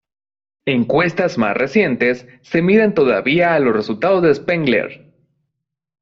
Encuestas más recientes se miran todavía a los resultados de Spengler.